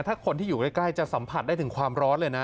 ถ้าคนที่อยู่ใกล้จะสัมผัสได้ถึงความร้อนเลยนะ